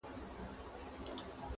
لیکل سوي ټول د ميني افسانې دي,